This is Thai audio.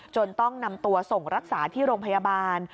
ต้องนำตัวส่งรักษาที่โรงพยาบาล